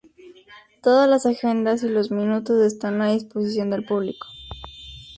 Todas las agendas y los minutos están a disposición del público.